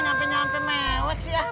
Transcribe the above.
nyampe nyampe mewek sih ya